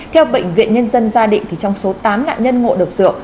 theo bệnh viện nhân dân gia định trong số tám nạn nhân ngộ được rượu